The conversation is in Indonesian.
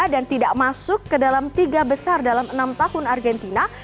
dan tidak masuk ke dalam tiga besar dalam enam tahun argentina